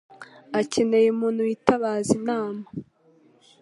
Akeneye umuntu witabaza inama.